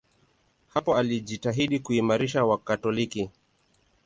Hapo alijitahidi kuimarisha Wakatoliki.